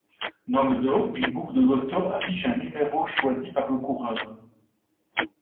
Dans le dos, une boule de loto affiche un numéro choisi par le coureur.